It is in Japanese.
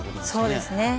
そうですね。